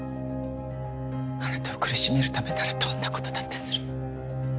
あなたを苦しめるためならどんなことだってする。